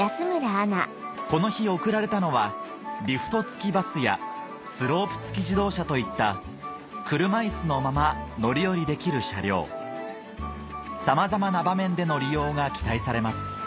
この日贈られたのはリフト付きバスやスロープ付き自動車といった車いすのまま乗り降りできる車両さまざまな場面での利用が期待されます